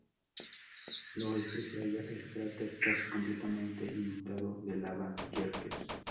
Al oeste se halla el cráter casi completamente inundado de lava Yerkes.